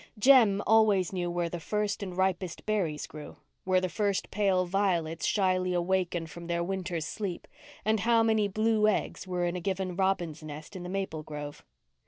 Jem always knew where the first and ripest berries grew, where the first pale violets shyly wakened from their winter's sleep, and how many blue eggs were in a given robin's nest in the maple grove.